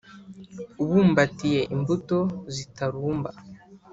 Ubumbatiye imbuto zitarumba